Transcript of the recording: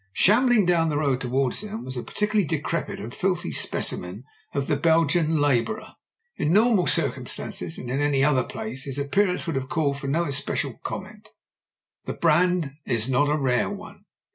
Shambling down the road towards them was a par ticularly decrepit and filthy specimen of the Belgian labourer. In normal circumstances, and in any other place, his appearance would have called for no especial comment ; the brand is not a rare one.